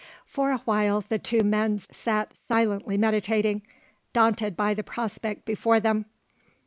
For a while, the two men sat silently meditating daunted by the prospect before them.